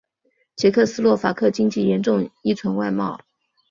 捷克斯洛伐克经济严重依存外贸。